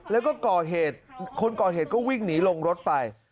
แล้วก็ก่อเหตุคนก่อเหตุก็วิ่งหนีลงรถไป